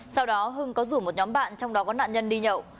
sau đó hưng có rủ một nhóm bạn trong đó có nạn nhân đi nhậu